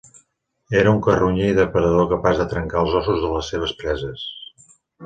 Era un carronyer i depredador capaç de trencar els ossos de les seves preses.